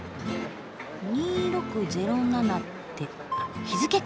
「２６０７」って日付か。